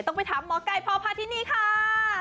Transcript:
ไปถามหมอไก่พอพาที่นี่ค่ะ